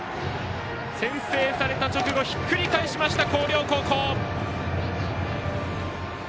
先制された直後ひっくり返しました広陵高校！